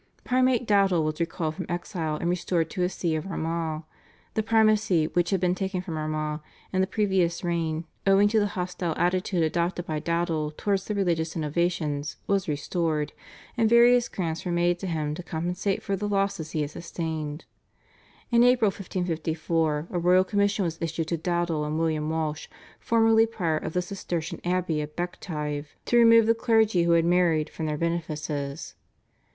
Primate Dowdall was recalled from exile, and restored to his See of Armagh; the primacy, which had been taken from Armagh in the previous reign owing to the hostile attitude adopted by Dowdall towards the religious innovations, was restored, and various grants were made to him to compensate him for the losses he had sustained. In April 1554 a royal commission was issued to Dowdall and William Walsh, formerly prior of the Cistercian Abbey of Bective, to remove the clergy who had married from their benefices.